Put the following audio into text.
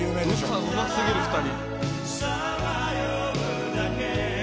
歌うま過ぎる２人。